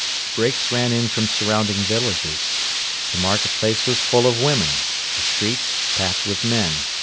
Brakes ran in from surrounding villages. The market place was full of women, the streets packed with men.